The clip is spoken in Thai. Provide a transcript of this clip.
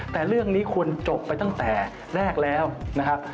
แต่เรื่องนี้ควรจบไปตั้งแต่แรกแล้วนะครับ